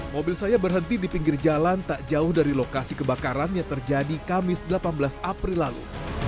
mobil saya berhenti di pinggir jalan tak jauh dari lokasi kebakaran yang terjadi kamis delapan belas april lalu